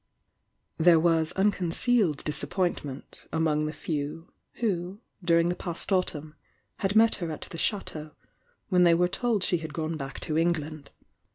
There wa.s unconcealed disappointment among the few, who, during the past autumn, had met her at the Chateau, when they were told she had gone back to England.